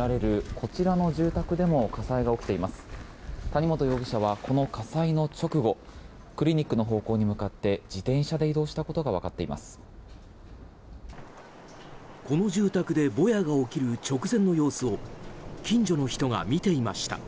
この住宅でぼやが起きる直前の様子を近所の人が見ていました。